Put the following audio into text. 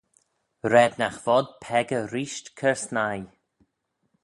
Raad nagh vod peccah reesht cur snieh.